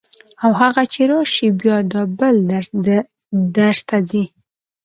او هغه چې راشي بیا دا بل درس ته ځي.